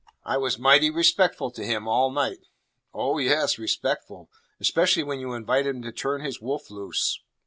"I was mighty respectful to him all night." "Oh, yes, respectful! Especially when you invited him to turn his wolf loose."